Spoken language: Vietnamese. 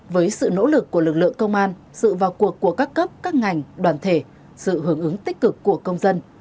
với sự nỗ lực của lực lượng công an sự vào cuộc của các cấp các ngành đoàn thể sự hưởng ứng tích cực của công dân